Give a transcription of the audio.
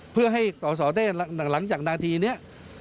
เพื่อให้ตรวจสอบทุกคำพูดของสเต้หลังจากนาทีนี้